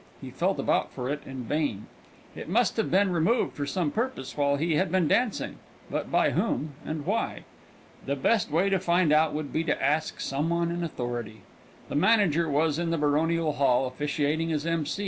He felt about for it in vain. It must have been removed for some purpose while he had been dancing; but by whom, and why? The best way to find out would be to ask some one in authority. The manager was in the Baronial Hall, officiating as M.